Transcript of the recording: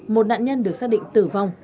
một nạn nhân được xác định tử vong